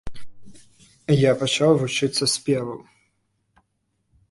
Я пачаў вучыцца спеву.